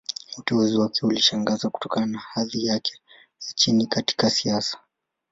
Uteuzi wake ulishangaza, kutokana na hadhi yake ya chini katika siasa.